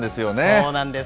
そうなんです。